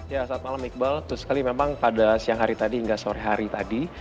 ya saat malam iqbal itu sekali memang pada siang hari tadi hingga sore hari tadi